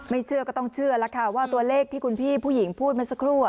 เชื่อก็ต้องเชื่อแล้วค่ะว่าตัวเลขที่คุณพี่ผู้หญิงพูดมาสักครู่